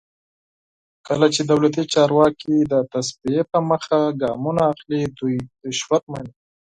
کله چې دولتي چارواکي د تصفیې په موخه ګامونه اخلي دوی رشوت مني.